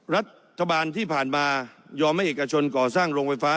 รัฐบาลที่ผ่านมายอมให้เอกชนก่อสร้างโรงไฟฟ้า